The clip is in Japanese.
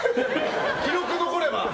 記録が残れば。